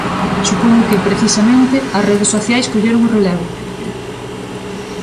Supoño que, precisamente, as redes sociais colleron o relevo.